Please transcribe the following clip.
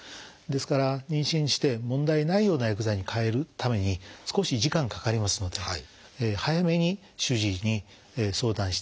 ですから妊娠して問題ないような薬剤に替えるために少し時間かかりますので早めに主治医に相談していただきたいというふうに思います。